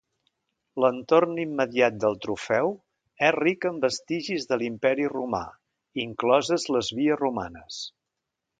L'entorn immediat del Trofeu és ric en vestigis de l'Imperi Romà, incloses les vies romanes.